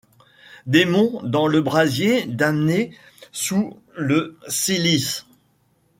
Démons dans le brasier, damnés sous le cilice